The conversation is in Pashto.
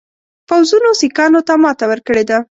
پوځونو سیکهانو ته ماته ورکړې ده.